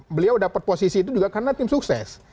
beliau dapat posisi itu juga karena tim sukses